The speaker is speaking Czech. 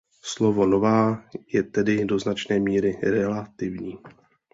Slovo „nová“ je tedy do značné míry relativní.